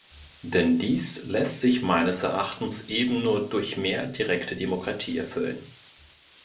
Denn dies lässt sich meines Erachtens eben nur durch mehr direkte Demokratie erfüllen.